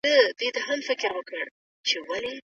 علامه رشاد د ملي شعور راپورته کولو لپاره کار کړی دی.